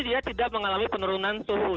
dia tidak mengalami penurunan suhu